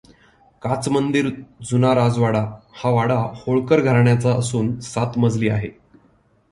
काचमंदिर जुना राजवाडा हा वाडा होळकर घराण्याचा असून सात मजली आहे.